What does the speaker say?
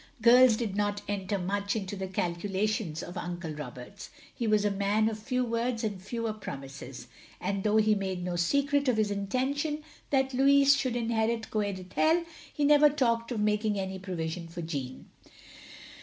Girls did not enter much into the calculations of Uncle Roberts ; he was a man of few words and fewer promises, and though he made no secret of his intention that Louis should inherit Coed Ithel, he never talked of making any provision for Jeanne.